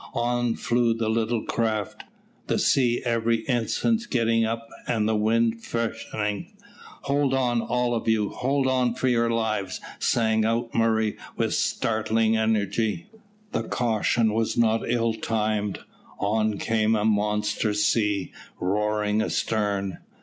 On flew the little craft, the sea every instant getting up and the wind freshening. "Hold on, all of you; hold on for your lives!" sang out Murray with startling energy. The caution was not ill timed. On came a monster sea, roaring astern.